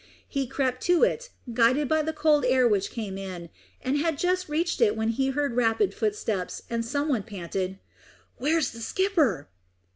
He crept to it, guided by the cold air which came in, and had just reached it when he heard rapid footsteps, and some one panted, "Where's the skipper?"